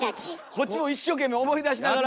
こっちも一生懸命思い出しながら。